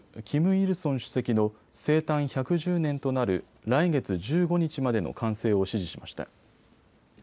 キム・イルソン主席の生誕１１０年となる来月１５日までの完成を指示しました。